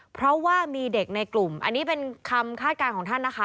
เพราะว่ามีเด็กในกลุ่มอันนี้เป็นคำคาดการณ์ของท่านนะคะ